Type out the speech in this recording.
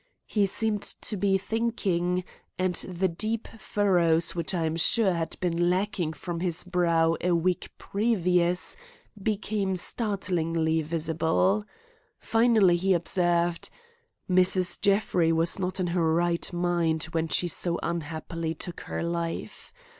He seemed to be thinking, and the deep furrows which I am sure had been lacking from his brow a week previous, became startlingly visible. Finally he observed: "Mrs. Jeffrey was not in her right mind when she so unhappily took her life.